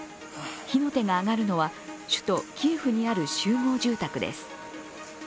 火の手が上がるのは首都キエフにある集合住宅です。